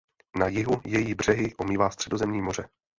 Na jihu její břehy omývá Středozemní moře.